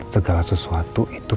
segala sesuatu itu